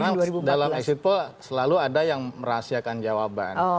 karena dalam exit poll selalu ada yang merahasiakan jawaban